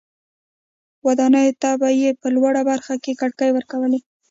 ودانیو ته به یې په لوړه برخه کې کړکۍ ورکولې.